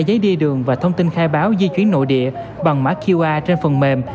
giấy đi đường và thông tin khai báo di chuyển nội địa bằng mã qr trên phần mềm